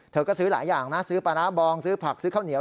เธอก็ซื้อหลายอย่างนะซื้อปลาร้าบองซื้อผักซื้อข้าวเหนียว